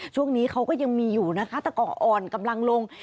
ช่วงนี้เขาก็ยังมีอยู่นะคะแต่ก็อ่อนกำลังลง